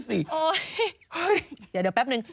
เดี๋ยวเดี๋ยวแปปนึง